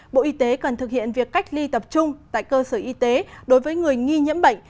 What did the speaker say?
bộ y tế cần thực hiện việc cách ly tập trung tại cơ sở y tế đối với người nghi nhiễm bệnh